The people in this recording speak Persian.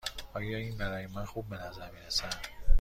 آیا این برای من خوب به نظر می رسد؟